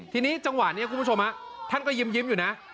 ทีนี้จังหวะนี้คุณผู้ชมท่านก็ยิ้มอยู่นะ